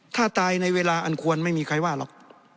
ถ้าตายในเวลาอันควรไม่มีใครว่าหรอก